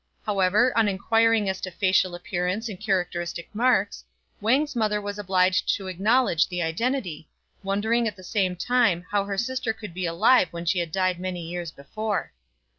However, on inquiring as to facial appearance and characteristic marks, Wang's mother was obliged to acknowledge the identity, wondering at the same time Il8 STRANGE STORIES how her sister could be alive when she had died many years before.